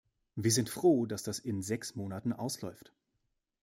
Wir sind froh, dass das in sechs Monaten ausläuft.